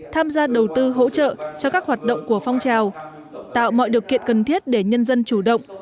tham gia đầu tư hỗ trợ cho các hoạt động của phong trào tạo mọi điều kiện cần thiết để nhân dân chủ động